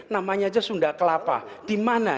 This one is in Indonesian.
namanya aja sunda kelapa dimana